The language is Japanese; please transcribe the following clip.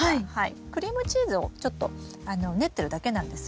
クリームチーズをちょっと練ってるだけなんです。